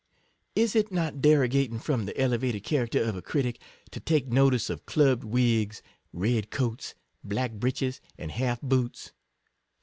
Is it not derogating from the elevated character of a critic, to take notice of clubbed wigs, red coats, black breeches, and half boots!